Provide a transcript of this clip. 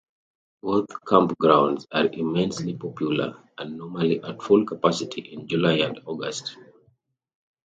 Both campgrounds are immensely popular and normally at full capacity in July and August.